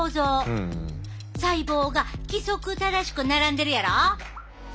細胞が規則正しく並んでるやろ。